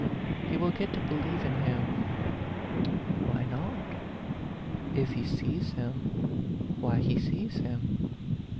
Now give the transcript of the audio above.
" He will get to believe in him." " Why not ? If he sees him, why he sees him.